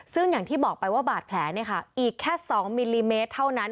ซึ่งอย่างที่บอกไปว่าบาดแผลอีกแค่๒มิลลิเมตรเท่านั้น